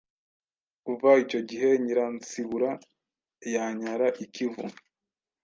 Kuva icyo gihe, Nyiransibura yanyara ikivu,